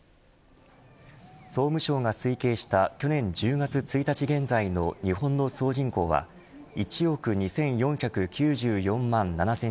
総務省が推計した去年１０月１日現在の日本の総人口は１億２４９４万７０００